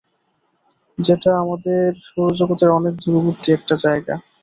যেটা আমাদের সৌরজগতের অনেক দূরবর্তী একটা জায়গা!